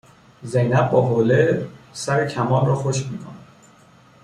زینب با حوله سر کمال را خشک میکند